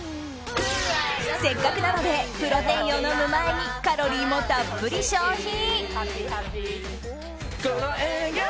せっかくなのでプロテインを飲む前にカロリーもたっぷり消費。